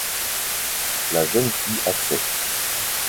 La jeune fille accepte.